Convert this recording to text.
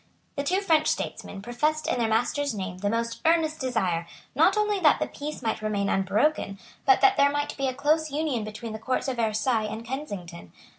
The two French statesmen professed in their master's name the most earnest desire, not only that the peace might remain unbroken, but that there might be a close union between the Courts of Versailles and Kensington.